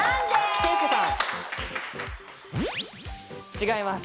違います。